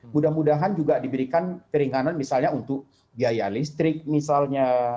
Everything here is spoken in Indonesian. mudah mudahan juga diberikan keringanan misalnya untuk biaya listrik misalnya